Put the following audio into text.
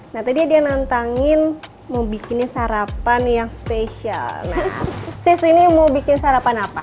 nah tadi dia nantangin mau bikin sarapan yang spesial nah sis ini mau bikin sarapan apa